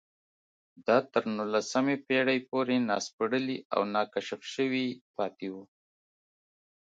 دا تر نولسمې پېړۍ پورې ناسپړلي او ناکشف شوي پاتې وو